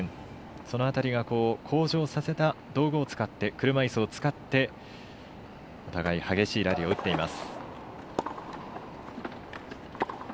その辺りを向上させた車いすを使ってお互いに激しいラリーを打っています。